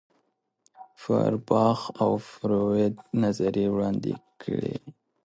فوئرباخ او فروید نظریې وړاندې کړې.